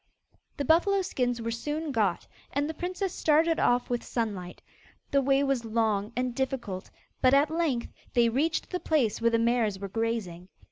The buffalo skins were soon got, and the princess started off with Sunlight. The way was long and difficult, but at length they reached the place where the mares were grazing.